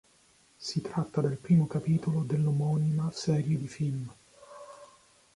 Si tratta del primo capitolo dell'omonima serie di film.